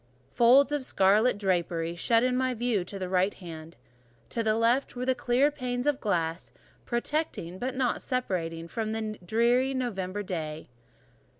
Folds of scarlet drapery shut in my view to the right hand; to the left were the clear panes of glass, protecting, but not separating me from the drear November day.